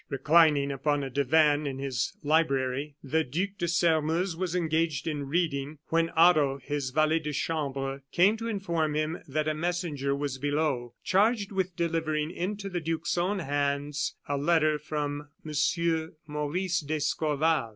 Reclining upon a divan in his library the Duc de Sairmeuse was engaged in reading, when Otto, his valet de chambre, came to inform him that a messenger was below, charged with delivering into the duke's own hands a letter from M. Maurice d'Escorval.